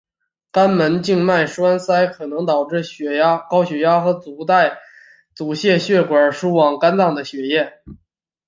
肝门静脉栓塞可能导致高血压和阻滞血流输往肝脏的血流。